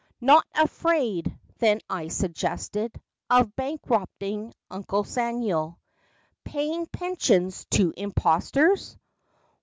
Not afraid, then, I suggested, Of bankrupting Uncle Samuel, Paying pensions to imposters